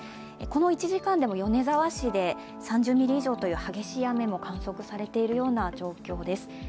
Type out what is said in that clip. この１時間でも米沢市で３０ミリ以上という激しい雨も観測されているような状況です。